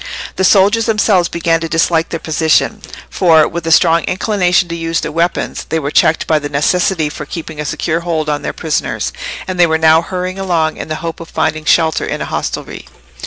The soldiers themselves began to dislike their position, for, with a strong inclination to use their weapons, they were checked by the necessity for keeping a secure hold on their prisoners, and they were now hurrying along in the hope of finding shelter in a hostelry.